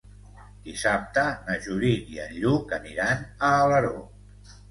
Dissabte na Judit i en Lluc aniran a Alaró.